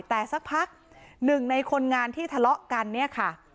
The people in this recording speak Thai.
แต่สักพักหนึ่งในคนงานที่ทะเลาะกันเนี่ยค่ะ